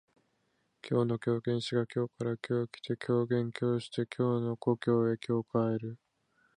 今日の狂言師が京から今日来て狂言今日して京の故郷へ今日帰る